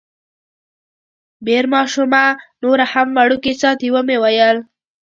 بیر ماشومه نوره هم وړوکې ساتي، ومې ویل.